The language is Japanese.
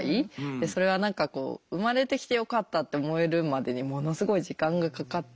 でそれは何かこう生まれてきてよかったって思えるまでにものすごい時間がかかっていて。